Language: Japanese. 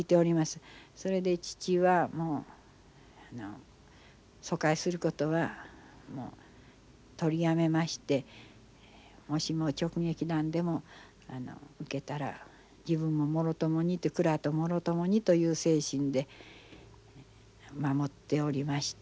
それで父は疎開することは取りやめましてもしも直撃弾でも受けたら自分ももろともに蔵ともろともにという精神で守っておりました。